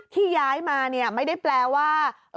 ที่ย้ายมาไม่ได้แปลว่า